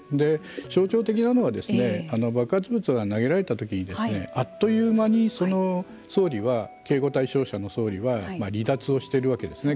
象徴的なのは爆発物が投げられた時にあっという間に、総理は警護対象者の総理は離脱をしているわけですね